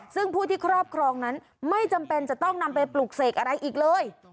ซึ่งผู้ที่ครอบครองนั้นไม่จำเป็นจะต้องนำไปปลุกเสกอะไรอีกเลย